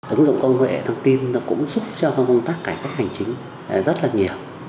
ứng dụng công nghệ thông tin nó cũng giúp cho công tác cải cách hành chính rất là nhiều